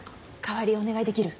代わりお願いできる？